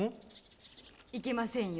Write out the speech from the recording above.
いけませんよ？